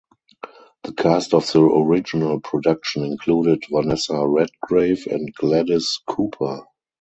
The cast of the original production included Vanessa Redgrave and Gladys Cooper.